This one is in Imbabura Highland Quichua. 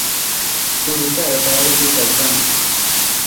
Kurika Otavalopi kawsan